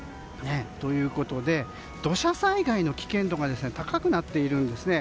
ということで土砂災害の危険度が高くなっているんですね。